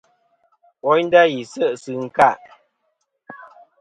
Woynda, yi se' sɨ ɨnka.